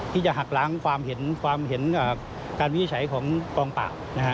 ที่จะหักล้างความเห็นการวิจัยของกองปราบ